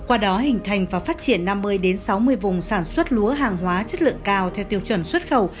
qua đó hình thành và phát triển năm mươi sáu mươi vùng sản xuất lúa hàng hóa chất lượng cao theo tiêu chuẩn xuất khẩu